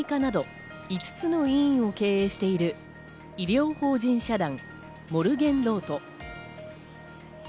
東京都内で小児科など５つの医院を経営している、医療法人社団・モルゲンロート。